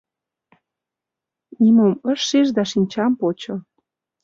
Нимом ыш шиж да шинчам почо.